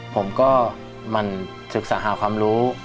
ผมก็มันศึกษาหาความรู้